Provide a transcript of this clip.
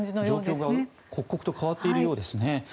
状況が刻々と変わっているようですね。